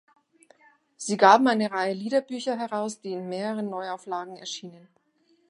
Sie gaben eine Reihe Liederbücher heraus, die in mehreren Neuauflagen erschienen.